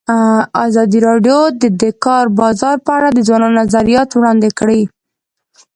ازادي راډیو د د کار بازار په اړه د ځوانانو نظریات وړاندې کړي.